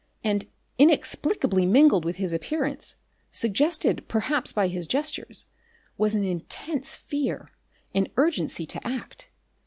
And, inexplicably mingled with his appearance, suggested perhaps by his gestures, was an intense fear, an urgency to act.